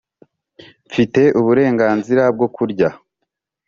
mfite uburenganzira bwo kurya